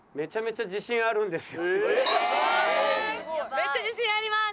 めっちゃ自信あります！